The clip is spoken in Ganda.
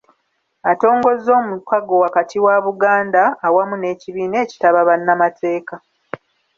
Atongozza omukago wakati wa Buganda awamu n'ekibiina ekitaba bannamateeka